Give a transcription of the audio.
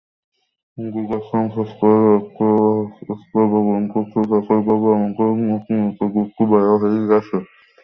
হিন্দু দর্শনশাস্ত্রেরও একটি স্তরে ভগবানকে ঠিক এইভাবেই আমাদের অতি নিকটবর্তী বলা হইয়াছে।